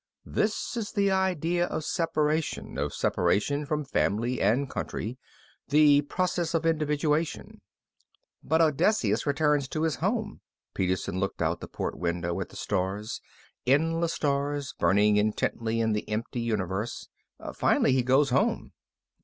This is the idea of separation, of separation from family and country. The process of individuation." "But Odysseus returns to his home." Peterson looked out the port window, at the stars, endless stars, burning intently in the empty universe. "Finally he goes home."